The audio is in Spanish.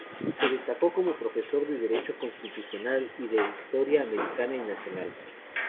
Se destacó como profesor de Derecho constitucional y de Historia Americana y Nacional.